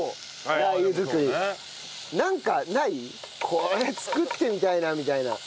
これ作ってみたいなみたいな。